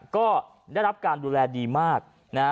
ก็ได้รับการดูแลดีมากนะฮะ